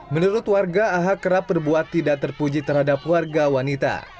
menurut warga aha kerap berbuat tidak terpuji terhadap warga wanita